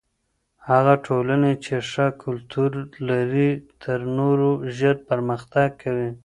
هغه ټولني چی ښه کلتور لري تر نورو ژر پرمختګ کوي.